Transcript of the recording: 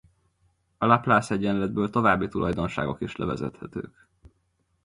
A Laplace-egyenletből további tulajdonságok is levezethetők.